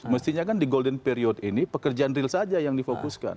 mestinya kan di golden period ini pekerjaan real saja yang difokuskan